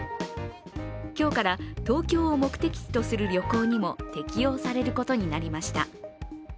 今日から東京を目的地とする旅行にも適用されることになりました。